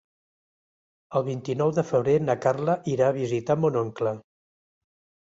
El vint-i-nou de febrer na Carla irà a visitar mon oncle.